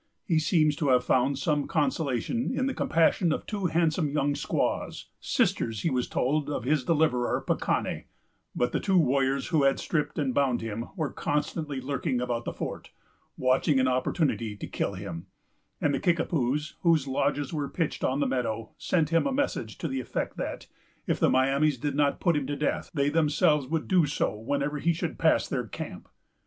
He seems to have found some consolation in the compassion of two handsome young squaws, sisters, he was told, of his deliverer, Pacanne; but the two warriors who had stripped and bound him were constantly lurking about the fort, watching an opportunity to kill him; and the Kickapoos, whose lodges were pitched on the meadow, sent him a message to the effect that, if the Miamis did not put him to death, they themselves would do so, whenever he should pass their camp.